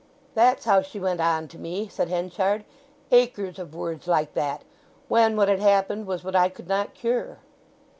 '" "That's how she went on to me," said Henchard, "acres of words like that, when what had happened was what I could not cure."